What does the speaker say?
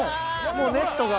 もうネットが。